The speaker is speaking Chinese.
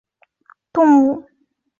九湖弗蛛为皿蛛科弗蛛属的动物。